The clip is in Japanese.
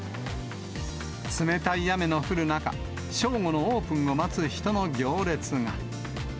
冷たい雨の降る中、正午のオープンを待つ人の行列が。